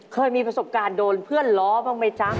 เคยมีประสบการณ์โดนเพื่อนล้อบ้างไหมจ๊ะ